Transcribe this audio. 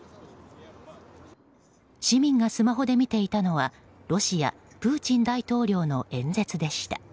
市民がスマホで見ていたのはロシア、プーチン大統領の演説でした。